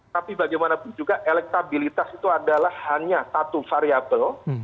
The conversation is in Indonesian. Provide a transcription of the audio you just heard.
tapi bagaimanapun juga elektabilitas itu adalah hanya satu variable